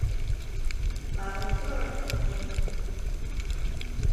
mabecul amin